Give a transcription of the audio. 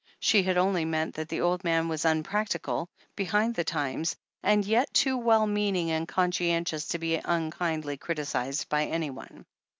*' She had only meant that the old man was unpractical, behind the times, and yet too well meaning and conscientious to be unkindly criticized by anyone.